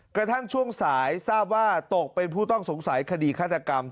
กระทั่งช่วงสายทราบว่าตกเป็นผู้ต้องสงสัยคดีฆาตกรรม